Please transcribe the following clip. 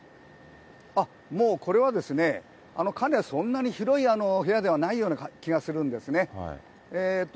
もうこれは、そんなに広い部屋ではないような気がするんですね。